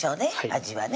味はね